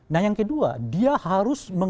nah yang kedua dia harus